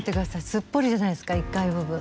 すっぽりじゃないですか１階部分。